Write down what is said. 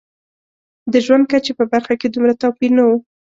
د ژوند کچې په برخه کې دومره توپیر نه و.